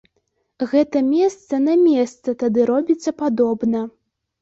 Гэта месца на месца тады робіцца падобна.